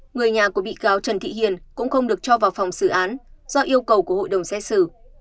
người nhà của bị cáo trần thị hiền cũng không được cho vào phòng xử án do yêu cầu của hội đồng xét xử